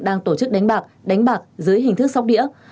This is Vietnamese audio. đang tổ chức đánh bạc đánh bạc dưới hình thức sóc đĩa